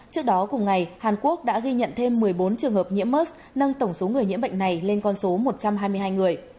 trước đó cùng ngày hàn quốc đã ghi nhận thêm một mươi bốn trường hợp nhiễm mers nâng tổng số người nhiễm bệnh này lên con số một trăm hai mươi hai người